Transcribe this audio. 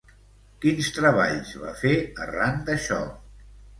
Quins treballs va fer arran d'això?